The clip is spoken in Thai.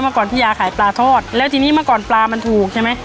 เมื่อก่อนพี่ยาขายปลาทอดแล้วทีนี้เมื่อก่อนปลามันถูกใช่ไหม